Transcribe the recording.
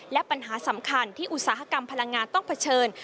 และปัญหาสำคัญที่อุตสาหกรรมพลังงานต้องเผชิญ